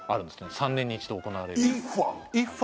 ３年に一度行われるＩＦＦＡ？